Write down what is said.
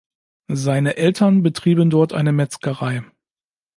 Seine Eltern betrieben dort eine Metzgerei.